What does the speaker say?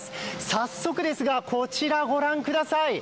早速ですが、こちらご覧ください。